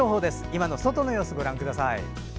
今の外の様子、ご覧ください。